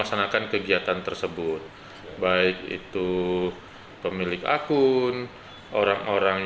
apakah hal ini ada di dalam konten